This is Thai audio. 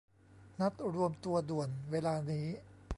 นัดรวมตัวด่วน ! เวลานี้ !